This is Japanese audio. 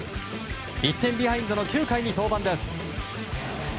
１点ビハインドの９回に登板です。